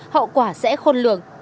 hậu quả sẽ khôn lường